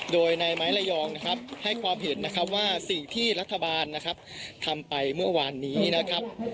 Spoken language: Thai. โดยในไม้ระยองนะครับให้ความเห็นนะครับว่าสิ่งที่รัฐบาลนะครับทำไปเมื่อวานนี้นะครับ